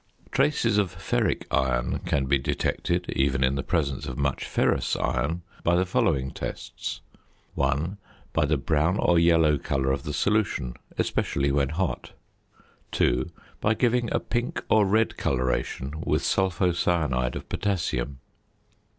Traces of ferric iron can be detected (even in the presence of much ferrous iron) by the following tests: (1) By the brown or yellow colour of the solution, especially when hot. (2) By giving a pink or red coloration with sulphocyanide of potassium.